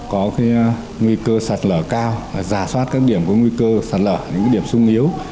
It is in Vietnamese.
có cái nguy cơ sạt lở cao và giả soát các điểm có nguy cơ sạt lở những cái điểm sung yếu